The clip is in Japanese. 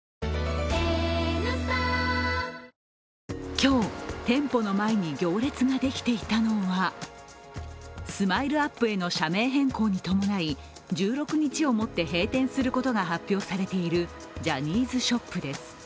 今日、店舗の前に行列ができていたのはＳＭＩＬＥ−ＵＰ．への社名変更に伴い、１６日をもって閉店することが発表されているジャニーズショップです。